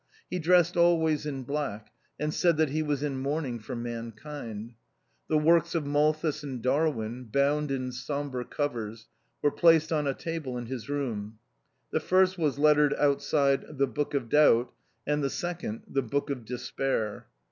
He dressed always in black, and said that he was in mourning for mankind. The works of Malthus and Darwin, bound in sombre covers, were placed on a table in his room ; the first was lettered outside, The Book of Doubt, and the second, The Book of Despair.